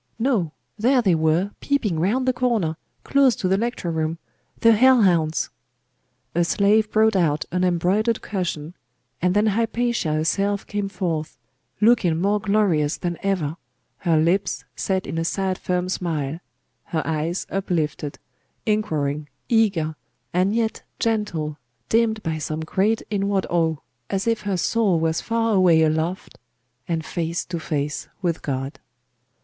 No; there they were, peeping round the corner, close to the lecture room the hell hounds! A slave brought out an embroidered cushion and then Hypatia herself came forth, looking more glorious than ever; her lips set in a sad firm smile; her eyes uplifted, inquiring, eager, and yet gentle, dimmed by some great inward awe, as if her soul was far away aloft, and face to face with God.